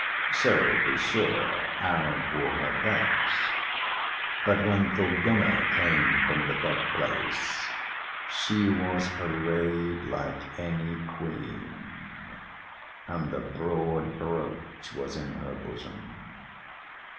So be sure Aud wore her best. But when Thorgunna came from the bed place, she was arrayed like any queen and the broad brooch was in her bosom.